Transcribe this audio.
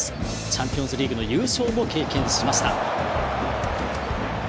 チャンピオンズリーグの優勝も経験しました。